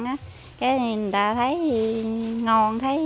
người ta thấy ngon